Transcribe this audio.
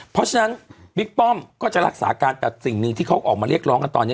เพราะฉะนั้นบิ๊กป้อมก็จะรักษาการแต่สิ่งหนึ่งที่เขาออกมาเรียกร้องกันตอนนี้